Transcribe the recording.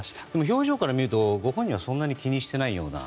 表情から見るとご本人はそんなに気にしてないような。